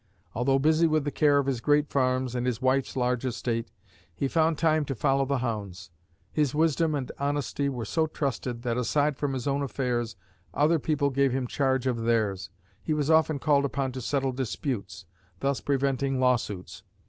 Although busy with the care of his great farms and his wife's large estate, he found time to follow the hounds. His wisdom and honesty were so trusted that, aside from his own affairs, other people gave him charge of theirs. He was often called upon to settle disputes, thus preventing law suits.